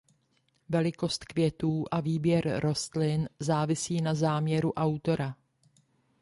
Velikost květů a výběr rostlin závisí na záměru autora.